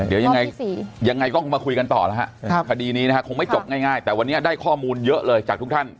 เดี๋ยวยังไงยังไงก็คงมาคุยกันต่อแล้วฮะคดีนี้นะฮะคงไม่จบง่ายแต่วันนี้ได้ข้อมูลเยอะเลยจากทุกท่าน